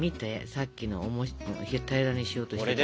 さっきの平らにしようとしたやつ。